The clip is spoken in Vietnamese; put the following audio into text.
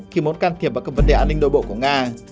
khi muốn can thiệp vào các vấn đề an ninh nội bộ của nga